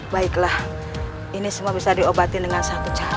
baiklah ini semua bisa diobatin dengan satu cara